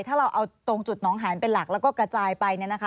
ถ้าเราเอาตรงจุดน้องหานเป็นหลักแล้วก็กระจายไป